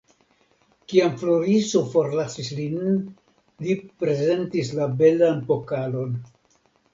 Kiam Floriso forlasis lin, li prezentis la belan pokalon.